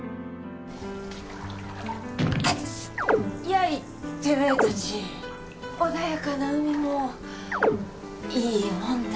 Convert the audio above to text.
やいてめえたち穏やかな海もいいもんだろ？